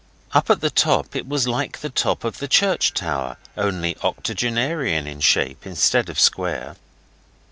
Up at the top it was like the top of the church tower, only octogenarian in shape, instead of square.